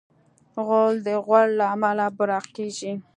غول د غوړ له امله براق کېږي.